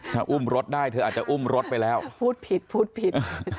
ถ้าอุ้มรถได้เธออาจจะอุ้มรถไปแล้วพูดผิดพูดผิด